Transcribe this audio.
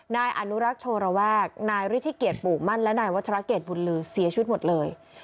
นายอนุรักษ์โชระแวกนายฤทธิเกียรติปู่มั่นและนายวัชรเกตบุญลือเสียชีวิตหมดเลย